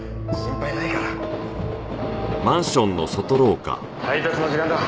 配達の時間だ。